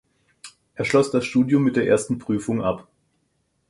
Er schloss das Studium mit der Ersten Prüfung ab.